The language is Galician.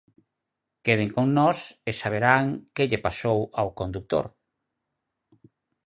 Queden con nós e saberán que lle pasou ao condutor.